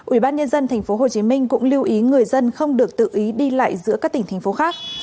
ủy ban nhân dân thành phố hồ chí minh cũng lưu ý người dân không được tự ý đi lại giữa các tỉnh thành phố khác